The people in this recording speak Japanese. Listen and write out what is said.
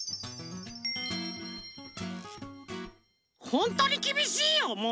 ホントにきびしいよもう！